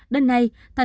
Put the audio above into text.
đêm nay tp hcm